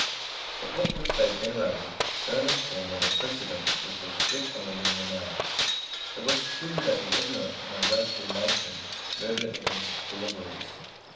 The book which they venerated furnished them with a precedent which was frequently in their mouths. It was true that the ignorant and ungrateful nation murmured against its deliverers.